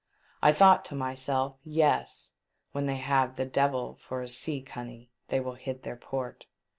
I thought to myself, yes, when they have the Devil for a sea cunny they will hit their port.